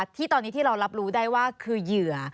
ที่ตอนนี้ที่เรารับรู้ได้ว่าคือเหยื่อ